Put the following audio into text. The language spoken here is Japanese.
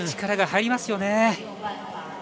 力が入りますよね。